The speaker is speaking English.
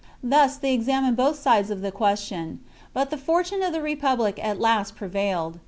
Thus they ex amined both sides of the question ; but the fortune of the republic at last prevailed.